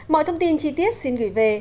mọi thông tin chi tiết xin gửi về